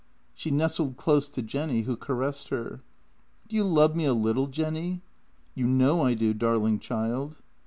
She nestled close to Jenny, who caressed her. " Do you love me a little, Jenny? "" You know I do, darling child."